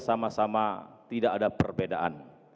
sama sama tidak ada perbedaan